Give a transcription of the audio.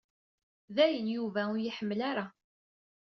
Dayen Yuba u iyi-ḥemmel ara.